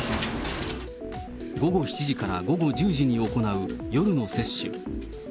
午後７時から午後１０時に行う夜の接種。